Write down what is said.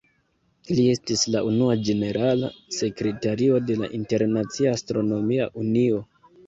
Li estis la unua ĝenerala sekretario de la Internacia Astronomia Unio.